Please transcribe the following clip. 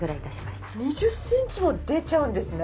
２０センチも出ちゃうんですね。